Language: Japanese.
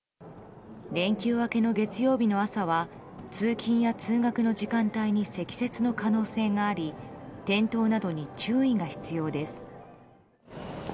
連休明けの月曜日の朝は通勤や通学の時間帯に積雪の可能性があり転倒などに注意が必要です。